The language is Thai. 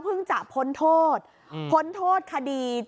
พอหลังจากเกิดเหตุแล้วเจ้าหน้าที่ต้องไปพยายามเกลี้ยกล่อม